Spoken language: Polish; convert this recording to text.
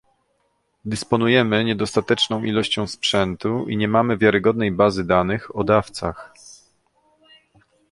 Dysponujemy niedostateczną ilością sprzętu i nie mamy wiarygodnej bazy danych o dawcach